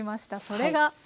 それが。